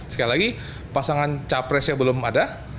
sekali lagi pasangan capres yang belum ada